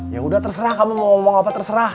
ya udah terserah kamu mau ngomong apa terserah